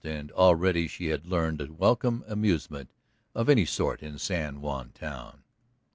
And already she had learned to welcome amusement of any sort in San Juan town.